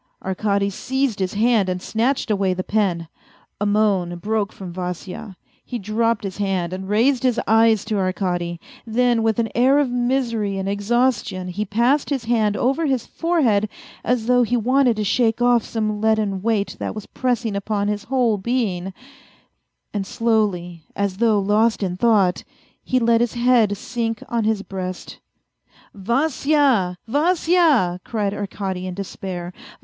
Arkady seized his hand and snatched away the pen. A moan broke from Vasya. He dropped his hand and raised his eyes to Arkady; then with an air of misery and exhaustion he passed his hand over his forehead as though he wanted to shake off some leaden weight that was pressing upon his whole being, and slowly, as though lost in thought, he let his head sink on his breast. " Vasya, Vasya 1 " cried Arkady in despair.